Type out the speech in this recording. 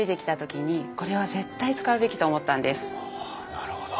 なるほど。